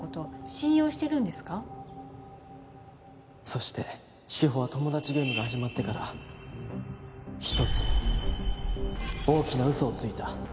そして志法はトモダチゲームが始まってから一つ大きな嘘をついた。